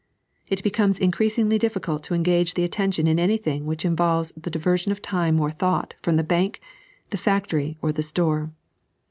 It becomes increasingly difficult to engage the attention in anything which involves the diver sion of time or thought from the bank, the factory, or the store.